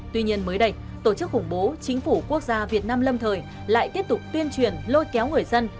tuy nhiên mới đây tổ chức khủng bố chính phủ quốc gia việt nam lâm thời lại tiếp tục tuyên truyền lôi kéo người dân